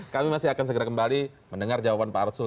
kami masih akan segera kembali mendengar jawaban pak arsul